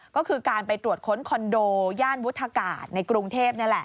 ก็คือการไปตรวจค้นคอนโดย่านวุฒากาศในกรุงเทพนี่แหละ